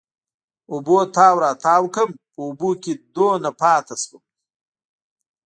اوبو تاو را تاو کړم، په اوبو کې دومره پاتې شوم.